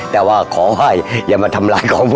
แต่ว่าขอให้อย่ามาทำร้ายน้องผม